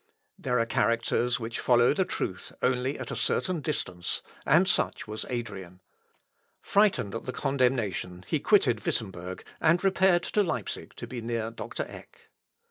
There are characters which follow the truth only a certain distance, and such was Adrian. Frightened at the condemnation he quitted Wittemberg, and repaired to Leipsic to be near Dr. Eck.